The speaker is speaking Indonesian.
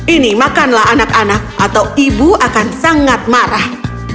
ini makanlah anak anak atau ibu akan sangat marah